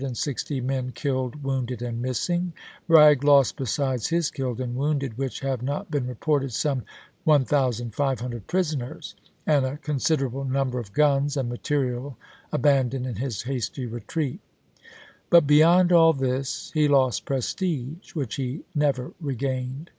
560 men killed, wounded, and missing ; Bragg lost besides his killed and wounded, which have not been reported, some 1500 prisoners and a consider able number of guns, and material abandoned in his hasty retreat. But, beyond all this, he lost prestige which he never regained.